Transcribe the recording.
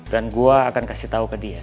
dan gue akan kasih tau kalian